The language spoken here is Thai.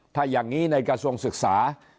ถ้าอย่างนี้ในกระทรวงศึกษา